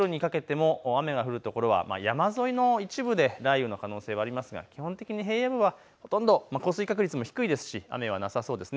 夜にかけても雨が降る所は山沿いの一部で雷雨の可能性はありますが基本的に平野部はほとんど降水確率も低いですし雨はなさそうです。